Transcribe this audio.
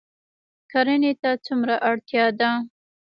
کرنې ته څومره اړتیا ده؟